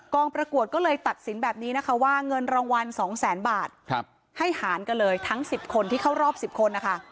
ประกวดก็เลยตัดสินแบบนี้นะคะว่าเงินรางวัล๒แสนบาทให้หารกันเลยทั้ง๑๐คนที่เข้ารอบ๑๐คนนะคะ